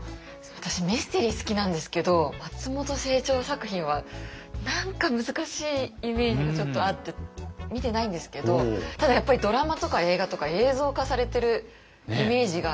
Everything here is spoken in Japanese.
私ミステリー好きなんですけど松本清張作品は何か難しいイメージがちょっとあって見てないんですけどただやっぱりドラマとか映画とか映像化されてるイメージがあるので。